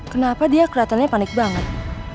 kenapa dia kelihatannya panik banget